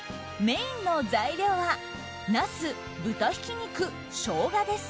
メインの材料はナス、豚ひき肉ショウガです。